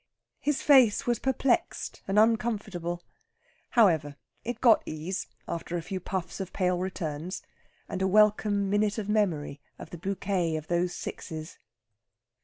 His face was perplexed and uncomfortable; however, it got ease after a few puffs of pale returns and a welcome minute of memory of the bouquet of those sixes.